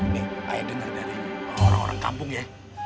nih ayo denger dari orang orang kampung ya